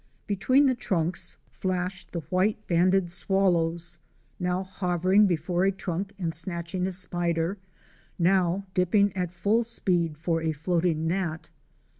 Between the trunks flashed 200 OUR SEARCH FOR A WILDERNESS. the White banded Swallows ' now hovering before a trunk and snatching a spider, now dipping at full speed for a floating gnat.